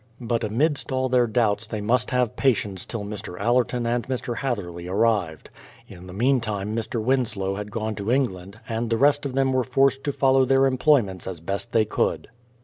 But amidst all their doubts they must have patience till Mr. Allerton and Mr. Hath erley arrived. In the meantime Mr. Winslow had gone to England, and the rest of them v^ere forced to follow their employments as best they could.